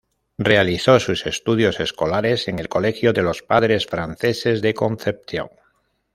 Realizó sus estudios escolares en el Colegio de los Padres Franceses de Concepción.